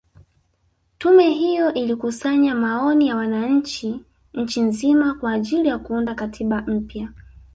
Tume hiyo ilikusanya maoni ya wananchi nchi nzima kwa ajili ya kuunda katiba mpya